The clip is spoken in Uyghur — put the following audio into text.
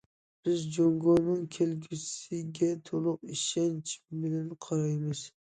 بىز جۇڭگونىڭ كەلگۈسىگە تولۇق ئىشەنچ بىلەن قارايمىز.